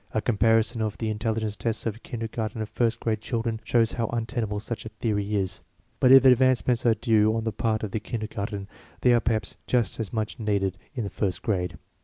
A comparison of the intelligence tests of kindergarten and first grade children shows how untenable such a theory is. But if adjustments are due on the part of the kinder garten, they are perhaps just as much needed in the first grade.